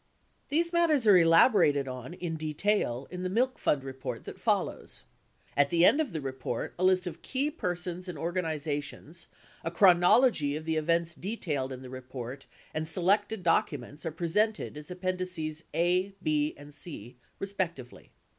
These matters are elaborated on in detail in the Milk Fund report that follows. At the end of the report, a list of key persons and organi zations, a chronology of the events detailed in the report and selected documents are presentd as appendices A, B, and C, respectively.